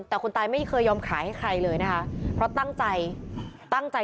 แต่คนตายไม่เคยยอมขายให้ใครเลยนะคะเพราะตั้งใจตั้งใจ